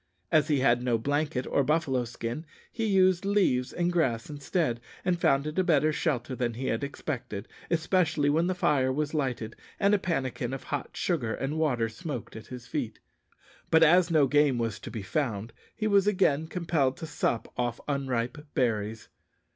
As he had no blanket or buffalo skin, he used leaves and grass instead, and found it a better shelter than he had expected, especially when the fire was lighted, and a pannikin of hot sugar and water smoked at his feet; but as no game was to be found, he was again compelled to sup off unripe berries.